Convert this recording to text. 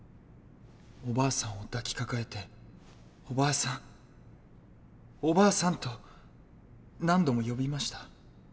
おばあさんを抱きかかえて「おばあさんおばあさん！」と何度も呼びました。